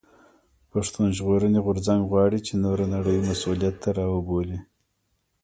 پښتون ژغورني غورځنګ غواړي چې نوره نړۍ مسؤليت ته راوبولي.